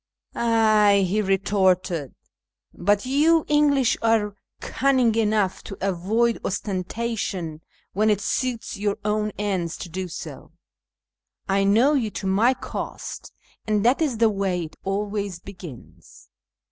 " Ay," he retorted, " but you English are cunning enough to avoid ostentation when it suits your own ends to do so. I know you to my cost, and that is the way it always begins."